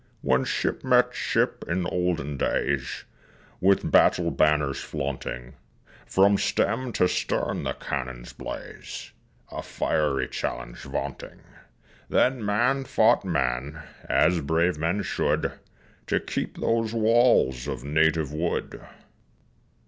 When ship met ship in olden days, With battle banners flaunting, From stem to stern the cannon's blaze A fiery challenge vaunting Then man fought man, as brave men should, To keep those walls of native wood.